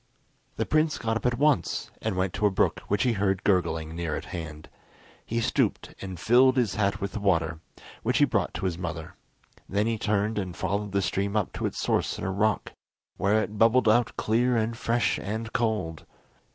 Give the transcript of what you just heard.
The prince got up at once and went to a brook which he heard gurgling near at hand. He stooped and filled his hat with the water, which he brought to his mother; then he turned and followed the stream up to its source in a rock, where it bubbled out clear and fresh and cold.